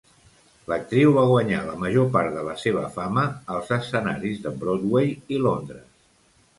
L'actriu va guanyar la major part de la seva fama als escenaris de Broadway i Londres.